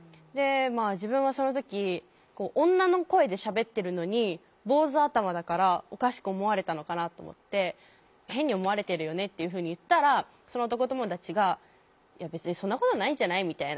自分はその時女の声でしゃべってるのに坊主頭だからおかしく思われたのかなと思って「変に思われてるよね？」っていうふうに言ったらその男友達が「いや別にそんなことないんじゃない？」みたいな。